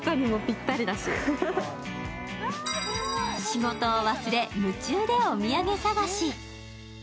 仕事を忘れ夢中でお土産探し。